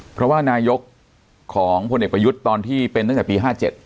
เพราะว่านายกของพลเอกประยุทธ์ตอนที่เป็นตั้งแต่ปี๕๗